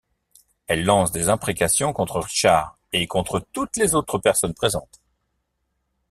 Elle lance des imprécations contre Richard et contre toutes les autres personnes présentes.